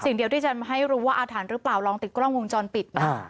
สิ่งเดียวที่จะให้รู้ว่าอาถรรพ์หรือเปล่าลองติดกล้องวงจรปิดนะ